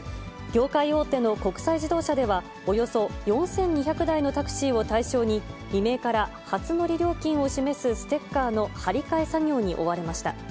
業界大手の国際自動車では、およそ４２００台のタクシーを対象に、未明から初乗り料金を示すステッカーの貼り替え作業に追われました。